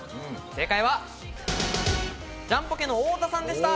正解はジャンポケの太田さんでした。